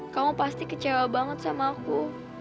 kamu pasti kecewa banget sama aku